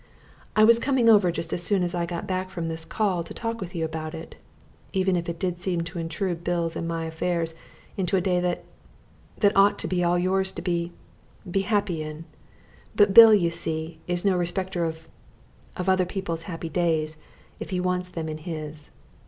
"I was coming over just as soon as I got back from this call to talk with you about it, even if it did seem to intrude Bill's and my affairs into a day that that ought to be all yours to be be happy in. But Bill, you see, is no respecter of of other people's happy days if he wants them in his."